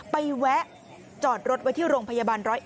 แวะจอดรถไว้ที่โรงพยาบาล๑๐๑